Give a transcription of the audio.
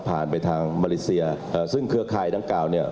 ผ่านไปทางมาริเซียเอ่อซึ่งเครือคายทั้งเก่าเนี้ย